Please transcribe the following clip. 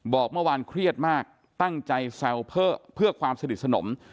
บอกเมื่อวานเครียดมากตั้งใจแซวเพื่อความสนิทสนม